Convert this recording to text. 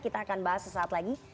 kita akan bahas sesaat lagi